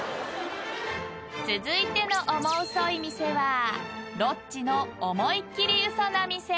［続いてのオモウソい店はロッチのオモいっきりウソな店］